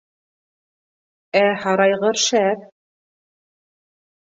Ә һарайғыр шәп!